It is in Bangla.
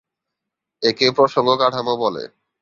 একে প্রসঙ্গ কাঠামো বলে।